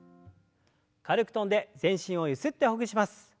軽く跳んで全身をゆすってほぐします。